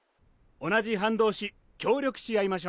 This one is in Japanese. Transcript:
同じ班同士協力し合いましょう。